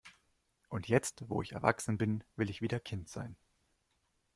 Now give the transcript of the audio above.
Und jetzt, wo ich erwachsen bin, will ich wieder Kind sein.